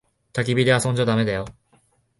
たき火で遊んじゃだめだよ。